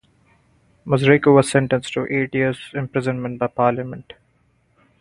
Mazreku was sentenced to eight years imprisonment by parliament.